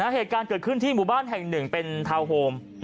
เหตุการณ์เกิดขึ้นที่หมู่บ้านแห่งหนึ่งเป็นทาวน์โฮม